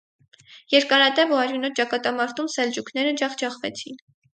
Երկարատև ու արյունոտ ճակատամարտում սելջուկները ջախջախվեցին։